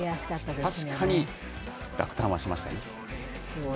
確かに、落胆はしましたね。